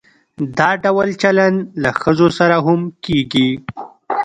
دا ډول چلند له ښځو سره هم کیږي.